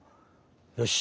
よし！